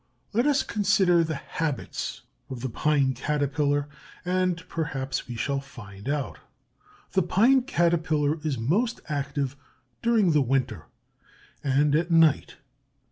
Let us consider the habits of the Pine Caterpillar, and perhaps we shall find out. The Pine Caterpillar is most active during the winter, and at night.